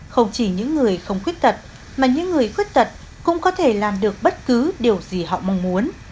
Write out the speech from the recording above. không chỉ những người không khuyết tật mà những người khuyết tật cũng có thể làm được bất cứ điều gì họ mong muốn